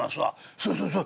「そうそうそう！